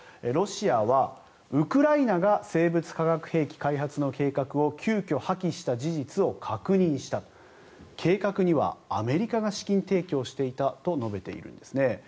ロシアはウクライナが生物・化学兵器開発の計画を急きょ破棄した事実を確認した計画にはアメリカが資金提供していたと述べているんですね。